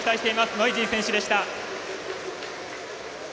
ノイジー選手でした。